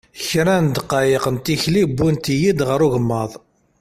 Kra n ddqayeq d tikli wwint-iyi ɣer ugemmaḍ.